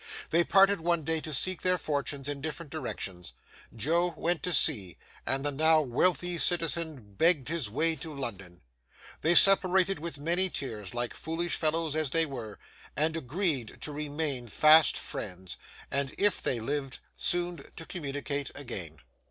They parted one day to seek their fortunes in different directions. Joe went to sea, and the now wealthy citizen begged his way to London, They separated with many tears, like foolish fellows as they were, and agreed to remain fast friends, and if they lived, soon to communicate again.